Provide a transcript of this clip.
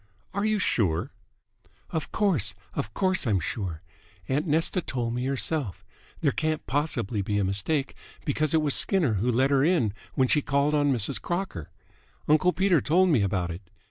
"Are you sure?" "Of course, of course I'm sure. Aunt Nesta told me herself. There can't possibly be a mistake, because it was Skinner who let her in when she called on Mrs. Crocker. Uncle Peter told me about it.